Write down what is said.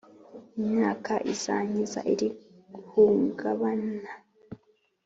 Imyaka izankiza iri hungabana